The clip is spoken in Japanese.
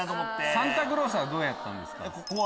サンタクロースはどうやったんですか？